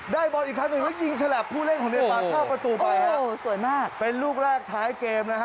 ดูัวลูกแรกท้ายเกมนะฮะ